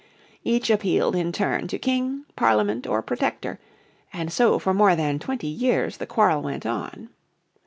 Each appealed in turn to King, Parliament, or Protector, and so for more than twenty years the quarrel went on.